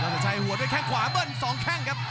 เจ้าแสนชัยหัวด้วยแค่งขวาเบิ้ลสองแค่งครับ